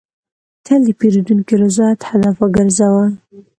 تل د پیرودونکي رضایت هدف وګرځوه.